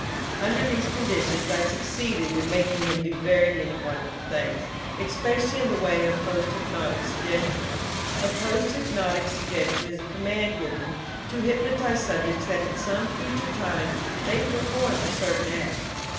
"'Under these conditions I succeeded in making him do very many wonderful things, especially in the way of post hypnotic suggestions; a post hypnotic suggestion is a command given to hypnotized subjects that at some future time they perform a certain act.